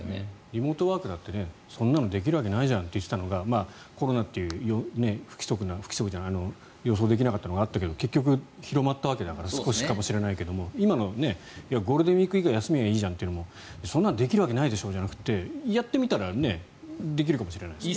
リモートワークだってそんなのできるわけないじゃんって言っていたのがコロナという予想できなかったものがあったけど結局、広がったわけだから少しかもしれないけどもゴールデンウィーク以外休めばいいじゃんというのもそんなのできるわけないでしょじゃなくてできるかもしれないですね。